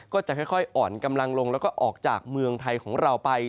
ก็จะค่อยอ่อนกำลังลงแล้วก็ออกจากเมืองไทยของเราไป